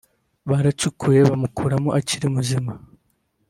baracukuye bamukuramo akiri muzima